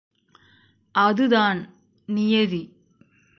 அது தான் நியதி.